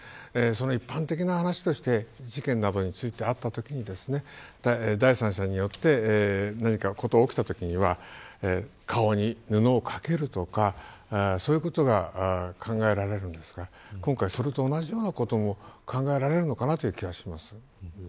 一般的な話として事件などについてあったときに第三者によって何か事が起きたときには顔に布をかけるとかそういうことが考えられますが今回それと同じようなことも考えられるのかなという気がします。